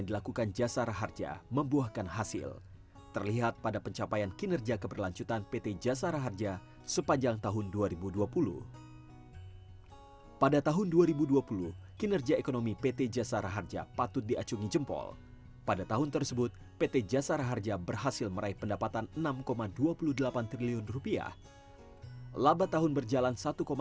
dan menyelesaikan pengaduan perusahaan